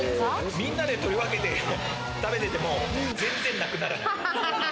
みんなで取り分けて食べてても全然なくならない。